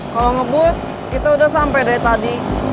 kalau ngebut kita udah sampai dari tadi